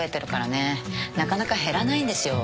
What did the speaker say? なかなか減らないんですよ。